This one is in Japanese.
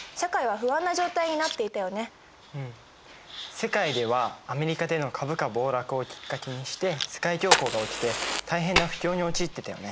世界ではアメリカでの株価暴落をきっかけにして世界恐慌が起きて大変な不況に陥ってたよね。